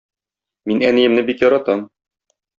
Мин әниемне бик яратам.